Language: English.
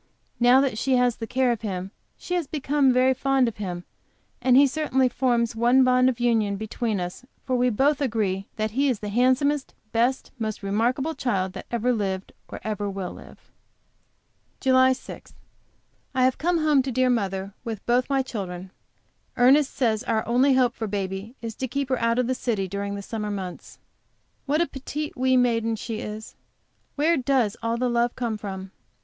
Now that she has the care of him, she has become very fond of him, and he certainly forms one bond of union between us, for we both agree that he is the handsomest, best, most remarkable child that ever lived, or ever will live. JULY 6. I have come home to dear mother with both my children. Ernest says our only hope for baby is to keep her out of the city during the summer months. What a petite wee maiden she is! Where does all the love come from?